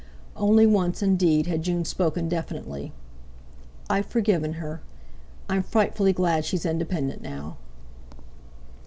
Only once, indeed, had June spoken definitely: "I've forgiven her. I'm frightfully glad she's independent now...."